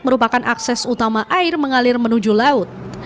merupakan akses utama air mengalir menuju laut